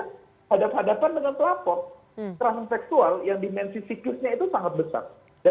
hadapan hadapan dengan pelapor transseksual yang dimensi siklusnya itu sangat besar